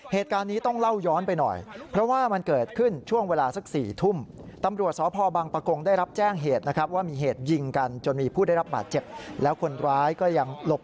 เหตุการณ์นี้ต้องเล่าย้อนไปหน่อย